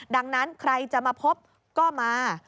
ดังนั้นใครจะมาพบก็มา